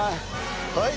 はい。